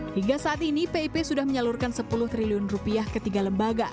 hingga saat ini pip sudah menyalurkan sepuluh triliun rupiah ke tiga lembaga